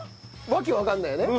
訳わかんないよね。